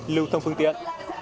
lưu thông phương tiện